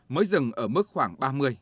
mới dừng ở mức khoảng ba mươi bốn mươi